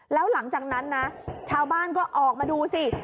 แล้วหลังจากนั้นนะชาวบ้านก็ออกมาดูสิ